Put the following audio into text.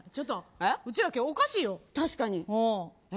うちら今日おかしいよ。